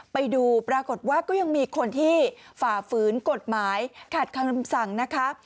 ไปดูปรากฏว่าก็ยังมีคนที่ฝ่าฝืนกฎหมายขาดคำสั่งนะคะ